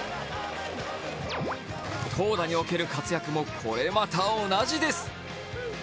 投打における活躍もこれまた同じです。